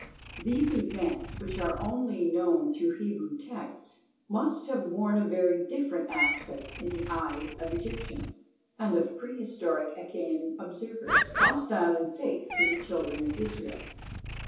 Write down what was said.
These events, which are only known through Hebrew texts, must have worn a very different aspect in the eyes of Egyptians, and of pre historic Achaean observers, hostile in faith to the Children of Israel.